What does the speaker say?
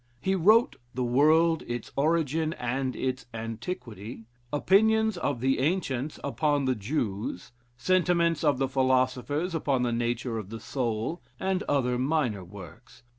He wrote "The World: its Origin and its Antiquity," "Opinions of the Ancients upon the Jews," "Sentiments of the Philosophers upon the Nature of the Soul," and other minor works.